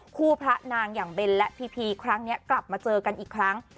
พระนางอย่างเบนและพีพีครั้งนี้กลับมาเจอกันอีกครั้ง